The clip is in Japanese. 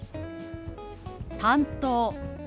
「担当」。